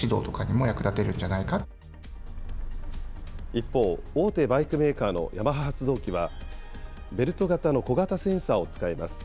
一方、大手バイクメーカーのヤマハ発動機は、ベルト型の小型センサーを使います。